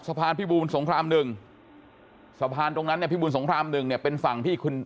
สะพานพี่บูนสงคราม๑สะพานตรงนั้นในสงคราม๑เป็นฝั่งที่คุณ